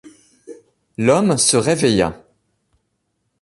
L’homme se réveilla.